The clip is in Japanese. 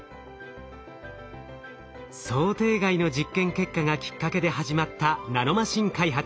想定外の実験結果がきっかけで始まったナノマシン開発。